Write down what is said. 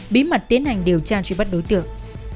bí mật tiến hành điều tra truy bắt đối tượng